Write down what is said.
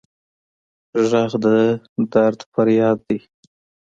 غږ د درد فریاد دی